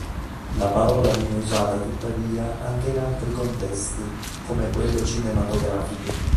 La parola viene usata tuttavia anche in altri contesti, come quello cinematografico.